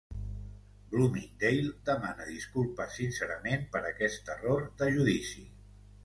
Bloomingdale demana disculpes sincerament per aquest error de judici.